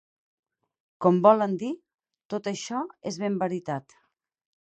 Com volen dir: tot això és ben veritat